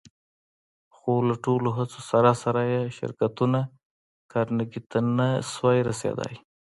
خو له ټولو هڅو سره سره يې شرکتونه کارنګي ته نه شوای رسېدای.